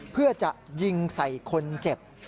เพื่อจะยิงใส่คนเจ็บ